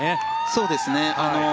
そうですね。